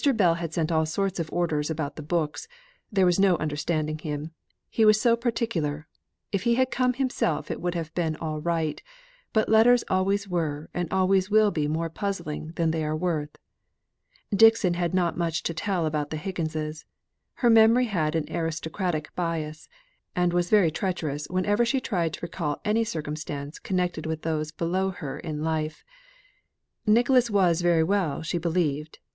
Bell had sent all sorts of orders about the books; there was no understanding him, he was so particular; if he had come himself it would have been all right, but letters always were and always will be more puzzling than they are worth. Dixon had not much to tell about the Higginses. Her memory had an aristocratic bias, and was very treacherous whenever she tried to recall any circumstance connected with those below her in life. Nicholas was very well she believed.